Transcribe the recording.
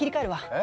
え？